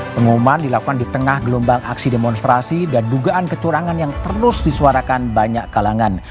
pengumuman dilakukan di tengah gelombang aksi demonstrasi dan dugaan kecurangan yang terus disuarakan banyak kalangan